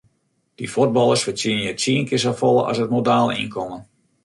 Dy fuotballers fertsjinje tsien kear safolle as it modale ynkommen.